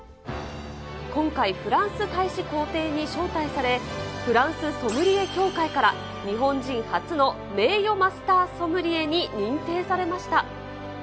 今回、フランス大使公邸に招待され、フランスソムリエ協会から、日本人初の名誉マスターソムリエに認定されました。